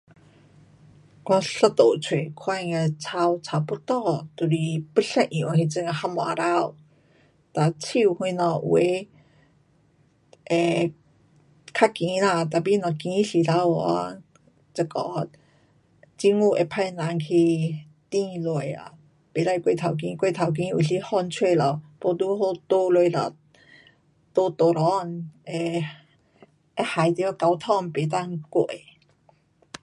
我一路出看见的草差不多都是要一样的那种的还蛮美，哒树什么，有的会较高啦，tapi 若高时头哦，这个政府会派人去砍下啊，不可过头高，过头高有时风了不刚好倒下了，在路中，会，会害到交通不能过。